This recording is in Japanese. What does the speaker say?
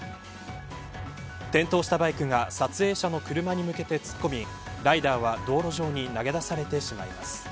転倒したバイクが撮影者の車に向けて突っ込みライダーは道路上に投げ出されてしまいます。